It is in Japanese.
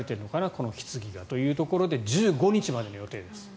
このひつぎが、というところで１５日までの予定です。